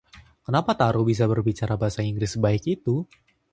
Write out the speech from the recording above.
Kenapa Taro bisa berbicara bahasa Inggris sebaik itu?